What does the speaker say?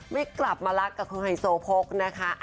ไม่กลับมารักกับคุณไฮโซโพกนะคะ